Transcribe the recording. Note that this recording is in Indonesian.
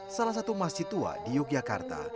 salah satu masjid tua di yogyakarta